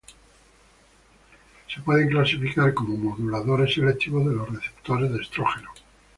Se pueden clasificar como moduladores selectivos de los receptores de estrógeno.